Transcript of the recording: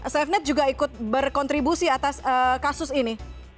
safenet juga ikut berkontribusi atas kasus ini